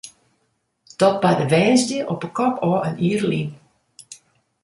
Dat barde woansdei op 'e kop ôf in jier lyn.